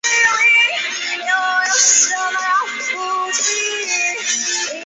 圣迪迪耶人口变化图示